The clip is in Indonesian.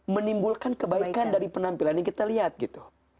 menimbulkan kebaikan dari penampilan yang kita lihat gitu